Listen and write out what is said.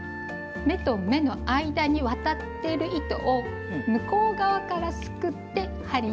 目と目の間に渡ってる糸を向こう側からすくって針にかけます。